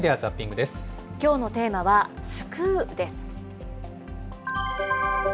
きょうのテーマは、救うです。